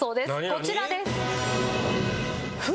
こちらです。